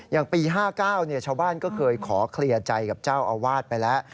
อย่างปี๕๙ชาวบ้านก็เคยขอเคลียร์ใจกับเจ้าอาวาสไปแล้ว